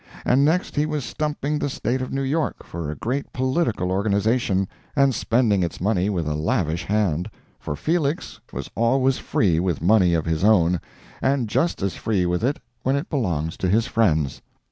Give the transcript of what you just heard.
And next he was stumping the State of New York for a great political organization, and spending its money with a lavish hand—for Felix was always free with money of his own, and just as free with it when it belongs to his friends.